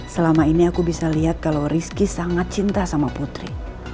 selama ini aku bisa lihat kalau rizky sangat cinta sama putri